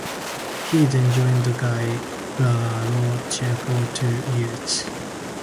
He then joined Guy Laroche for two years.